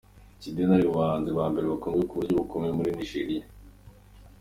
Chidinma ari mu bahanzi ba mbere bakunzwe mu buryo bukomeye muri Nigeria.